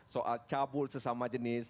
soal cabul sesama jenis